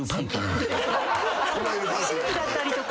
シルクだったりとか。